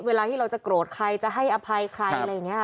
เวลาที่เราจะโกรธใครจะให้อภัยใครอะไรอย่างนี้